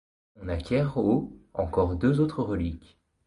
On acquiert au encore deux autres reliques.